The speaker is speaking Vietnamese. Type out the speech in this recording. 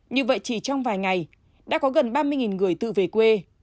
như vậy chỉ trong vài ngày đã có gần ba mươi người tự về quê